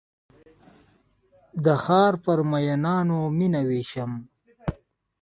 د ښارپر میینانو میینه ویشم